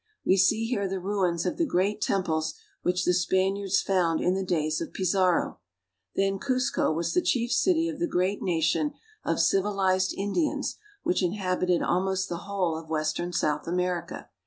We see here the ruins of the great temples which the Spaniards found in the days of Pizarro. Then Cuzco was the chief city of the great nation of civilized Indians which inhabited almost the whole of western South America.